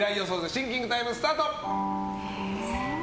シンキングタイムスタート。